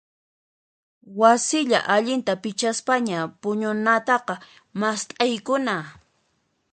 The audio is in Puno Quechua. Wasilla allinta pichaspaña puñunataqa mast'aykuna.